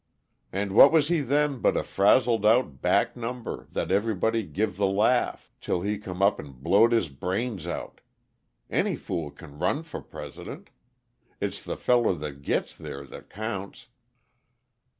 And what was he then but a frazzled out back number, that everybody give the laugh till he up and blowed his brains out! Any fool can run for President it's the feller that gits there that counts.